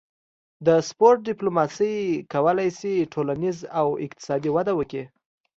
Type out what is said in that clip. د سپورت ډیپلوماسي کولی شي ټولنیز او اقتصادي وده وکړي